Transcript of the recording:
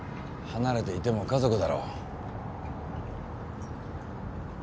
離れていても家族だろ。